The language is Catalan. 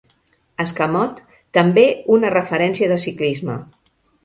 "Escamot", també una referència de ciclisme.